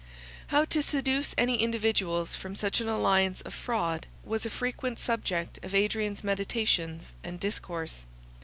How to seduce any individuals from such an alliance of fraud, was a frequent subject of Adrian's meditations and discourse.